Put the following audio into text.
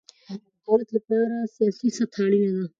د دولت له پاره سیاسي سطحه اړینه ده.